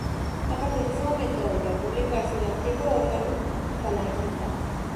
A partir de ese momento volvió a publicarse el antiguo órgano falangista.